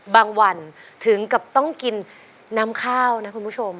วันถึงกับต้องกินน้ำข้าวนะคุณผู้ชม